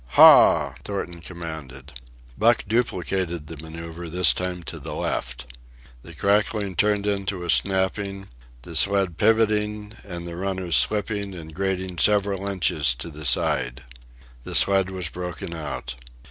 "Haw!" Thornton commanded. Buck duplicated the manœuvre, this time to the left. The crackling turned into a snapping, the sled pivoting and the runners slipping and grating several inches to the side. The sled was broken out.